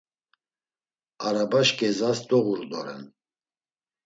Arabaş k̆ezas doğurudoren.